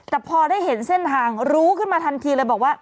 แต่พอได้เห็นเส้นทางรู้ขึ้นมาทันทีเลยบอกว่า